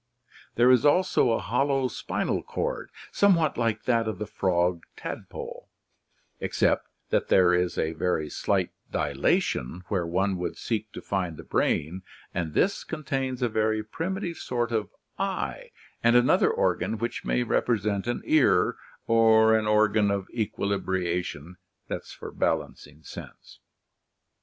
Ther6 is also a hollow spinal cord, somewhat like that of the frog tadpole, except that there is a very slight dilatation where one would seek to find the brain and this contains a very primitive sort of eye and another organ which may represent an ear or an organ of equilibration (balancing sense).